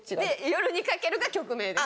『夜に駆ける』が曲名です。